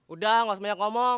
udah gak usah banyak ngomong